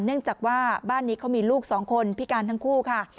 เนื่องจากว่าบ้านนี้เขามีลูกสองคนพิการทั้งคู่ค่ะ